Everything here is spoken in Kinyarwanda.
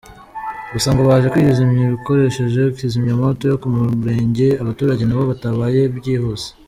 Gusa ngo baje kuyizimya bakoresheje kizimyamwoto yo ku murenge, abaturage n’abo batabaye byihuse.